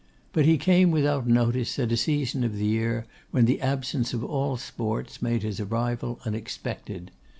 But he came without notice, at a season of the year when the absence of all sports made his arrival unexpected.